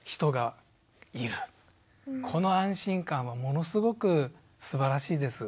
この安心感はものすごくすばらしいです。